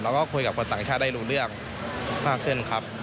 แล้วก็คุยกับคนต่างชาติได้รู้เรื่องมากขึ้นครับ